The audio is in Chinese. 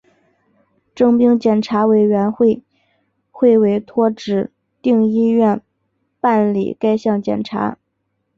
征兵检查委员会会委托指定医院办理该项检查。